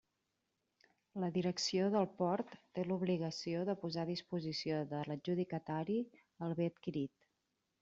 La Direcció del port té l'obligació de posar a disposició de l'adjudicatari el bé adquirit.